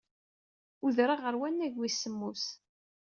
Udreɣ ɣer wannag wis semmus.